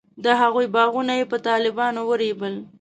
د هغوی باغونه یې په طالبانو ورېبل.